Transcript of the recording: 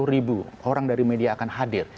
lima puluh ribu orang dari media akan hadir